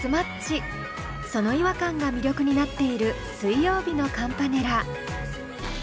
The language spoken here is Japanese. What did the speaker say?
その違和感が魅力になっている水曜日のカンパネラ。